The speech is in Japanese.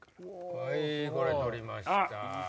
はいこれ取りました。